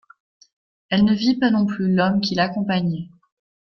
Elle ne vit pas non plus l’homme qui l’accompagnait